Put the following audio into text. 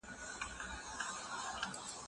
منکر باید رد شي